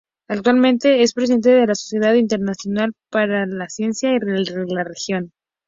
Actualmente es Presidente de la Sociedad Internacional para la Ciencia y la Religión.